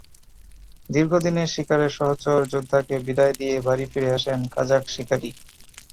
দীর্ঘদিনের শিকারের সহচর যোদ্ধাকে বিদায় দিয়ে বাড়ি ফিরে আসেন কাজাখ শিকারি।